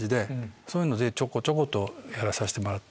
そういうのでちょこちょことやらさせてもらって。